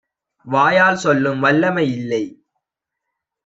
வாயால் சொல்லும் வல்லமை இல்லை.